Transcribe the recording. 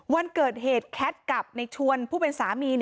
วันเกิดเหตุแคทกับในชวนผู้เป็นสามี